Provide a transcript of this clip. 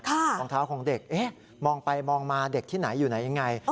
รองเท้าของเด็กมองไปมองมาเด็กที่ไหนอยู่ไหนยังไง